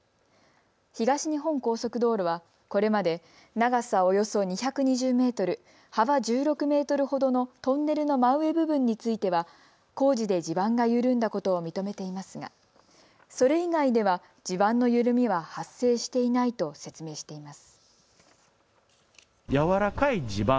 東日本高速道路は、これまで長さおよそ２２０メートル、幅１６メートルほどのトンネルの真上部分については工事で地盤が緩んだことを認めていますがそれ以外では地盤の緩みは発生していないと説明しています。